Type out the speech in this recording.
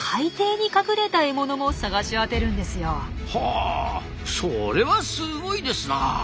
あそれはすごいですなあ！